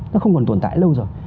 nó không còn tồn tại lâu rồi